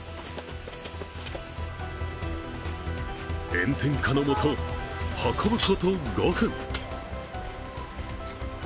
炎天下のもと、運ぶこと５分。